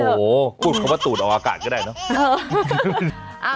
โอ้โหพูดคำว่าตูดออกอากาศก็ได้เนอะ